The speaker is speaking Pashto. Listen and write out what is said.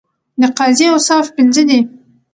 د قاضی اوصاف پنځه دي.